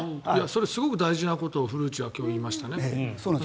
すごく大事なことを古内は言いましたね。